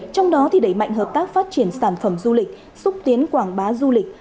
trong đó đẩy mạnh hợp tác phát triển sản phẩm du lịch xúc tiến quảng bá du lịch